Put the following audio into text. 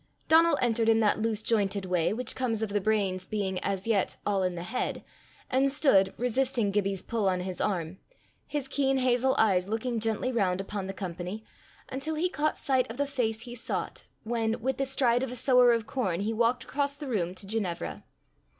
Donal entered in that loose jointed way which comes of the brains being as yet all in the head, and stood, resisting Gibbie's pull on his arm, his keen hazel eyes looking gently round upon the company, until he caught sight of the face he sought, when, with the stride of a sower of corn, he walked across the room to Ginevra.